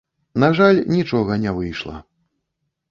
На жаль, нічога не выйшла.